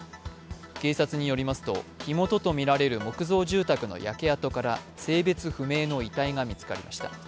警察によりますと、火元とみられる木造住宅の焼け跡から性別不明の遺体が見つかりました。